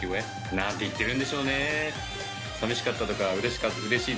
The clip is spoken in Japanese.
何て言ってるんでしょうね。